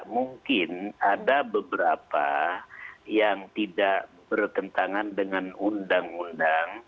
mungkin ada beberapa yang tidak bertentangan dengan undang undang